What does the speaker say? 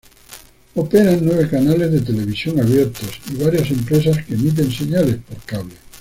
Operan nueve canales de televisión abiertos y varias empresas que emiten señales por cable.